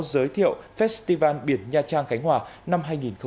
giới thiệu festival biển nha trang khánh hòa năm hai nghìn hai mươi ba